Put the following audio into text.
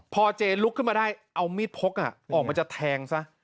พอเจลุกขึ้นมาได้เอามีดพกออกมาจะแทงซะ